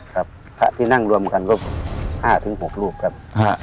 ครับผักที่นั่งรวมกันก็๕๖ลูกครับ